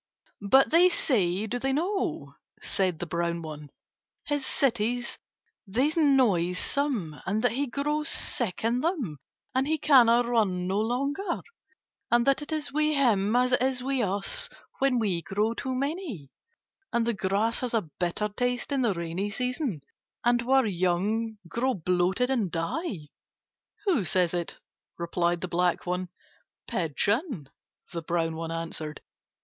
"But they say, do they not?" said the brown one, "his cities are noisome, and that he grows sick in them and can run no longer, and that it is with him as it is with us when we grow too many, and the grass has the bitter taste in the rainy season, and our young grow bloated and die." "Who says it?" replied the black one. "Pigeon," the brown one answered.